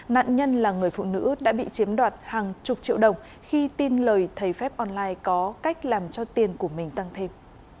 nạn nhân là người phụ nữ đã bị chiếm đoạt hàng chục triệu đồng khi tin lời thầy phép online có cách làm cho tiền của mình tăng thêm